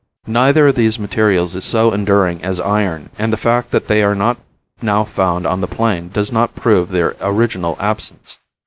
Neither of these materials is so enduring as iron, and the fact that they are not now found on the plain does not prove their original absence.